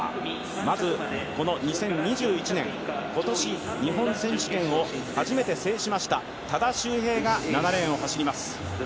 まず２０２１年、今年日本選手権を初めて制しました多田修平が７レーンを走ります。